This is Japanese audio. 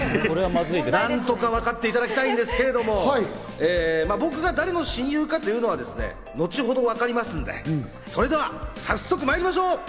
何とか分かっていただきたいんですけれども、僕が誰の親友かというのは後ほど分かりますんで、それでは早速まいりましょう。